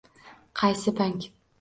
Qaysi bank?